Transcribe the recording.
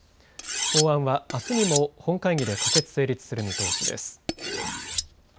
法案はあすにも本会議で可決・成立する見通しです。